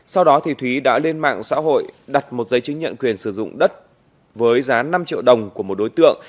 sau đó thúy đã lên mạng xã hội đặt một giấy chứng nhận quyền sử dụng đất với giá năm triệu đồng của một đối tượng